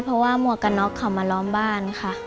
เพราะว่าหมวกกันน็อกเขามาล้อมบ้านค่ะ